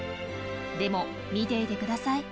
でも見ていてください。